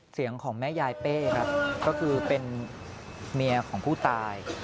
เสียงของแม่ยายเป้ครับก็คือเป็นเมียของผู้ตาย